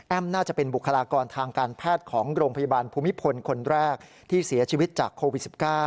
น่าจะเป็นบุคลากรทางการแพทย์ของโรงพยาบาลภูมิพลคนแรกที่เสียชีวิตจากโควิด๑๙